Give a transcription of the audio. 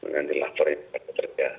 nanti laporan yang akan terjadi